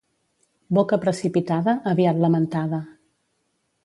Boca precipitada, aviat lamentada.